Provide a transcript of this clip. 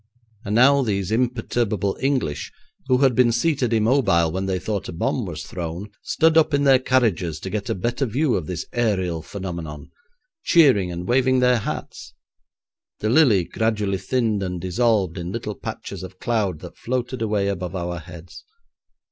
And now these imperturbable English, who had been seated immobile when they thought a bomb was thrown, stood up in their carriages to get a better view of this aerial phenomenon, cheering and waving their hats. The lily gradually thinned and dissolved in little patches of cloud that floated away above our heads.